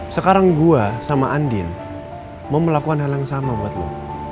sekarang gue sama andin mau melakukan hal yang sama buat lo